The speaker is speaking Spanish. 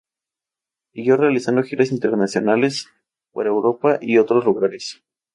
Siguió realizando giras internacionales, por Europa y otros lugares.